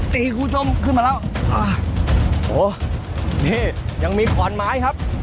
ตีคุณผู้ชมขึ้นมาแล้วอ่าโหนี่ยังมีขอนไม้ครับ